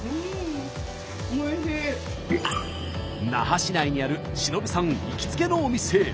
那覇市内にある忍さん行きつけのお店へ。